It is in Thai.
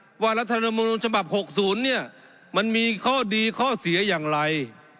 ถูกว่ารัฐบาป๖๐เนี่ยมันมีข้อดีข้อเสียอย่างไร